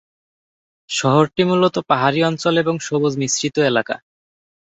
শহরটি মূলত পাহাড়ী অঞ্চল এবং সবুজ মিশ্রিত এলাকা।